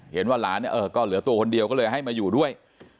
เห็นว่าหลานก็เหลือตัวคนเดียวก็เลยให้มาอยู่ด้วย